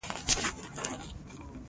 د کیمیاوي صنایعو او نفتو چاڼولو صنایع دي.